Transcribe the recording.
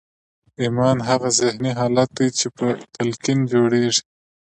ایمان هغه ذهني حالت دی چې په تلقین جوړېږي